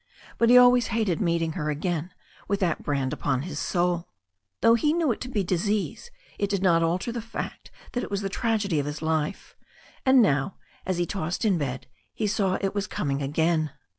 But he always hated meeting her again with that brand upon his soul. Though he knew it to be disease, it did not alter the fact that it was the tragedy of his life. And now, as he tossed in bed, he saw it was coming again.